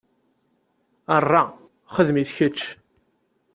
Aṛṛa xdem-it kečč!